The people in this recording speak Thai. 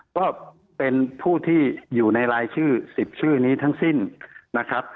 ก็เป็นผู้ที่อยู่ในรายชื่อ๑๐ชื่อนี้ทั้งสิ้นนะครับ